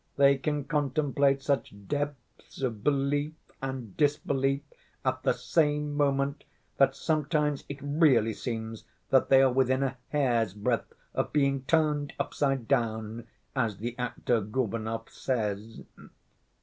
They can contemplate such depths of belief and disbelief at the same moment that sometimes it really seems that they are within a hair's‐breadth of being 'turned upside down,' as the actor Gorbunov says."